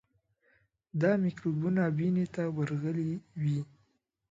دا میکروبونه وینې ته ورغلي وي.